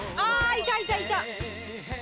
いたいたいた！